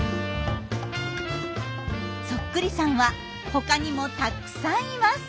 そっくりさんは他にもたくさんいます。